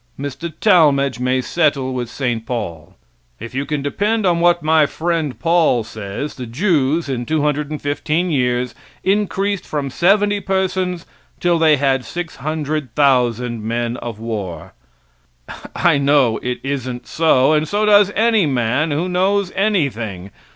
Mr. Talmage may settle with St. Paul. If you can depend on what my friend Paul says, the Jews, in 215 years, increased from seventy persons till they had 600,000 men of war. I know it isn't so, and so does any man who knows anything.